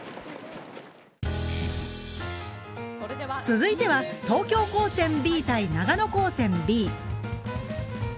続いては東京高専Ｂ対長野高専Ｂ。